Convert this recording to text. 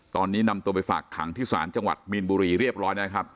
ตอนนี้นำตัวไปฝากขังที่ศาลจังหวัดมีนบุรีเรียบร้อยแล้วครับ